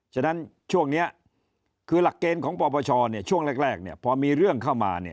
ฉะนั้นช่วงนี้คือหลักเกณฑ์ของปปชช่วงแรกพอมีเรื่องเข้ามา